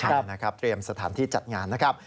ใช่นะครับเตรียมสถานที่จัดงานนะครับ